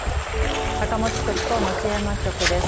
高松局と松山局です。